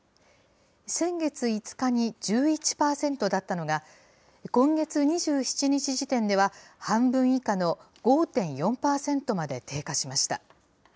先月５日に１１％だったのが、今月２７日時点では半分以下の５．４％まで低下しました。